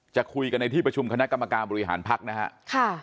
จะคุยกันในที่ประชุมคณะกรรมการบริหารพักนะฮะ